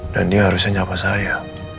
dan dia harusnya nyapa saya